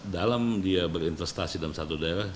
dalam dia berinvestasi dalam satu daerah